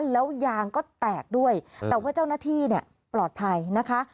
แล้วยางก็แตกด้วยแต่ว่าเจ้าหน้าที่เนี่ยปลอดภัยนะคะ